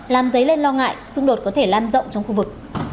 làm dấy lên lo ngại xung đột có thể lan rộng trong khu vực